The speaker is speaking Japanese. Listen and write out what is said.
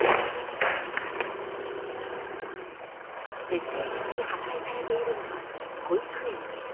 徹底的に破壊されているのは保育園です。